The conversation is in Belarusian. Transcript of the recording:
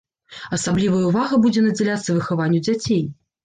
Асаблівая ўвага будзе надзяляцца выхаванню дзяцей.